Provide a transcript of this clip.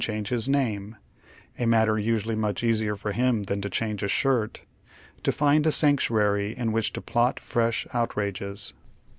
change his name, a matter usually much easier for him than to change his sliirt, to find a sanctnary in which to plot fresh outrages.